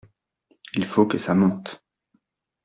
Il faut que ça monte.